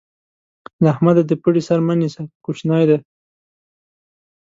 له احمده د پړي سر مه نيسه؛ کوشنی دی.